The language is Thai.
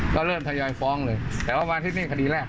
ใครไม่มีครับ